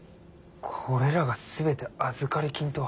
これらが全て預かり金とは。